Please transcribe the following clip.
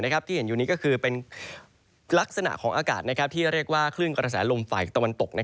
ที่เห็นอยู่นี้ก็คือเป็นลักษณะของอากาศที่เรียกว่าคลื่นกระแสลมฝ่ายตะวันตก